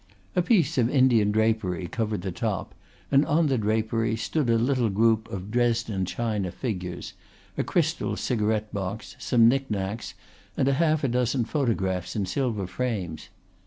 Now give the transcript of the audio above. A piece of Indian drapery covered the top and on the drapery stood a little group of Dresden China figures, a crystal cigarette box, some knick knacks and half a dozen photographs in silver frames.